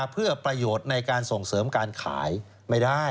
เพื่อประโยชน์ในการส่งเสริมการขายไม่ได้